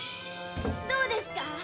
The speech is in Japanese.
どうですか？